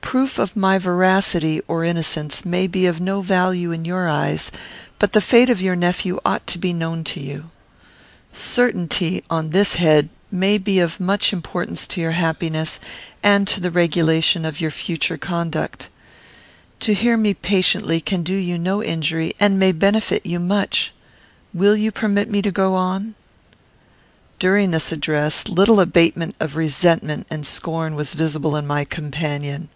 "Proof of my veracity or innocence may be of no value in your eyes, but the fate of your nephew ought to be known to you. Certainty, on this head, may be of much importance to your happiness, and to the regulation of your future conduct. To hear me patiently can do you no injury, and may benefit you much. Will you permit me to go on?" During this address, little abatement of resentment and scorn was visible in my companion.